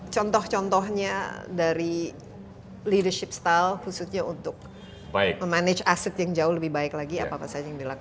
contoh contohnya dari leadership style khususnya untuk memanage aset yang jauh lebih baik lagi apa apa saja yang dilakukan